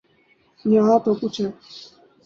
یہاں تو کچھ ہے۔